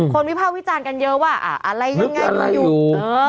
วิภาควิจารณ์กันเยอะว่าอะไรยังไงดูอยู่